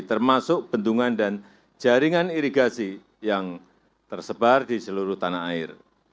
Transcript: termasuk bendungan dan jaringan irigasi yang tersebar di seluruh tanah air